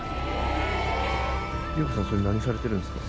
りえこさんそれ何されてるんですか？